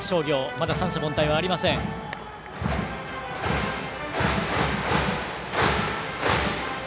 まだ三者凡退はありません。